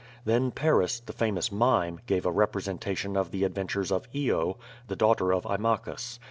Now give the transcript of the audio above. Then Paris, the famous mime, gave a representation of the adventures of lo, the daughter of Imachus.